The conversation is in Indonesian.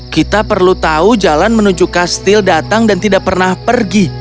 kita perlu tahu jalan menuju kastil datang dan tidak pernah pergi